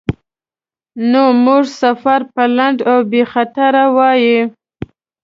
نو زموږ سفر به لنډ او بیخطره وای.